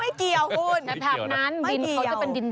ไม่เกี่ยวคุณ